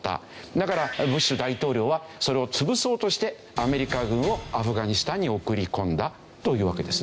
だからブッシュ大統領はそれを潰そうとしてアメリカ軍をアフガニスタンに送り込んだというわけですね。